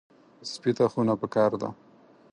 سپي ته خونه پکار ده.